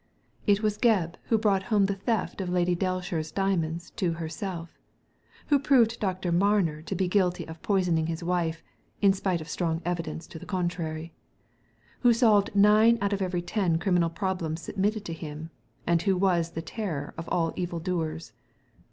It was Gebb who brought home the theft of Lady Daleshire's diamonds to herself; who proved Dr. Mamer to be guilty of poisoning his wife, in spite of strong evidence to the contrary ; who solved nine out of every ten criminal problems submitted to him, and who was the terror of all evil doers.